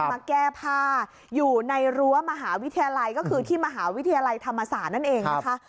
มาแก้ผ้าอยู่ในรั้วมหาวิทยาลัยก็คือที่มหาวิทยาลัยธรรมศาสตร์นั่นเองนะคะ